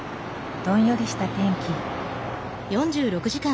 どんよりした天気。